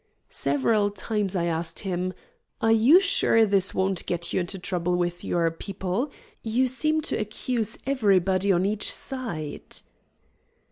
Several times I asked him, "Are you sure this won't get you into trouble with your 'people'? You seem to accuse everybody on each side."